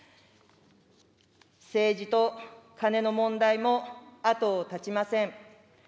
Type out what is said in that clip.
政治とカネの問題も後を絶ちません。